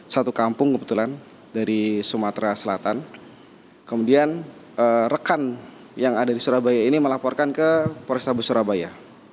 satu kampung kebetulan dari sumatera selatan kemudian rekan yang ada di surabaya ini melaporkan ke polrestabes surabaya